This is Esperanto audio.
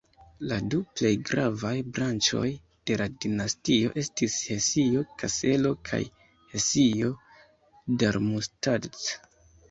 La du plej gravaj branĉoj de la dinastio estis Hesio-Kaselo kaj Hesio-Darmstadt.